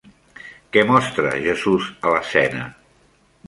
Què mostra Jesús a l'escena?